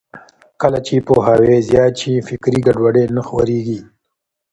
کله چې پوهاوی زیات شي، فکري ګډوډي نه خپرېږي.